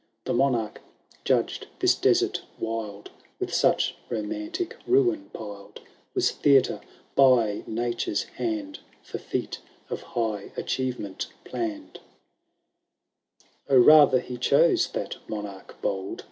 The Monarch judged this desert wild, . With such romantic ruin piled. Was theatre by Nature*^ hand For feat of hi|^ achieTement plano*d« XL <* O mther he chose, that Monarch boid.